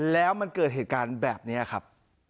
แล้วมันเกิดเหตุการณ์แบบนี้ครับ